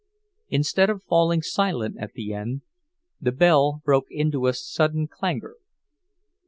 Instead of falling silent at the end, the bell broke into a sudden clangor.